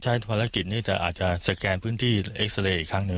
ภารกิจนี้จะอาจจะสแกนพื้นที่เอ็กซาเรย์อีกครั้งหนึ่ง